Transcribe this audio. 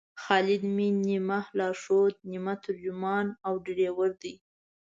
خالد مې نیمه لارښود، نیمه ترجمان او ډریور دی.